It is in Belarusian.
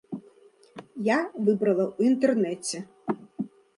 Я выбрала ў інтэрнэце.